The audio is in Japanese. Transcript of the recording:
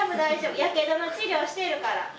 やけどの治療しているから。